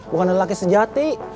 bukan lelaki sejati